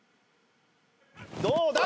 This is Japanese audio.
どうだ？